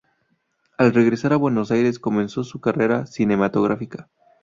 Al regresar a Buenos Aires comenzó su carrera cinematográfica.